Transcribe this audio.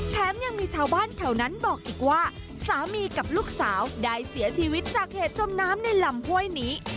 แถมยังมีชาวบ้านแถวนั้นบอกอีกว่าสามีกับลูกสาวได้เสียชีวิตจากเหตุจมน้ำในลำห้วยนี้